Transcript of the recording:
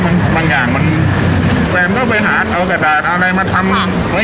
มันบางอย่างมันแฟมก็ไปหาเอากระดาษอะไรมาทำ